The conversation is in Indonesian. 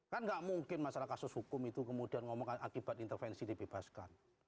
kan nggak mungkin masalah kasus hukum itu kemudian ngomongkan akibat intervensi dibebaskan